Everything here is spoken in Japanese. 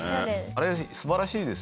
あれ素晴らしいですよね。